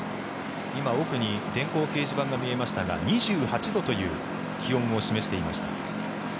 今奥に電光掲示板が見えましたが２８度という気温を示していました。